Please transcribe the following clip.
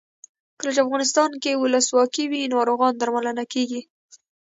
کله چې افغانستان کې ولسواکي وي ناروغان درملنه کیږي.